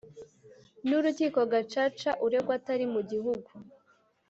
n Urukiko Gacaca uregwa atari mu gihugu